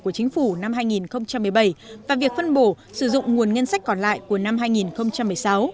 của chính phủ năm hai nghìn một mươi bảy và việc phân bổ sử dụng nguồn ngân sách còn lại của năm hai nghìn một mươi sáu